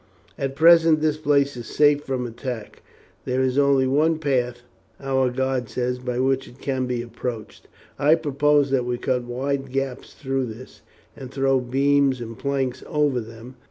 At present this place is safe from attack. There is only one path, our guide says, by which it can be approached. I propose that we cut wide gaps through this, and throw beams and planks over them.